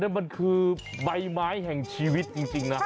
มันคือใบไม้แห่งชีวิตจริงนะ